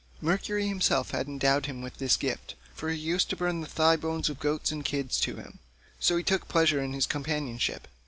Mercury himself had endowed him with this gift, for he used to burn the thigh bones of goats and kids to him, so he took pleasure in his companionship.